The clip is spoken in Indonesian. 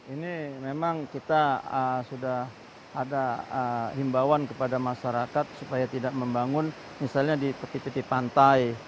ini memang kita sudah ada himbauan kepada masyarakat supaya tidak membangun misalnya di tepi tepi pantai